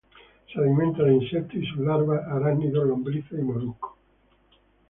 Se alimenta de insectos y sus larvas, arácnidos, lombrices y moluscos.